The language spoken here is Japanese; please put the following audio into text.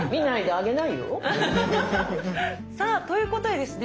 あげないよ！さあということでですね